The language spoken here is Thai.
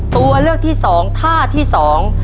ตัวเลือกที่สองท่าที่สอง